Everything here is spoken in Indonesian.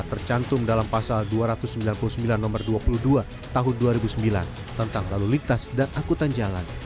tercantum dalam pasal dua ratus sembilan puluh sembilan no dua puluh dua tahun dua ribu sembilan tentang lalu lintas dan akutan jalan